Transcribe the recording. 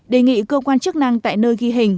đề nghị cơ quan chức năng tại nơi ghi hình